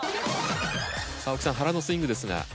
さあ青木さん原のスイングですが。